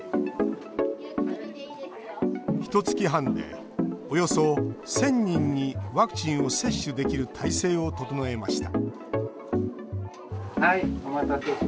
ひとつき半でおよそ１０００人にワクチンを接種できる体制を整えました